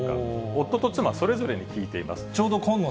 夫と妻、それぞれに聞いています。